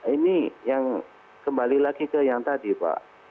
ini yang kembali lagi ke yang tadi pak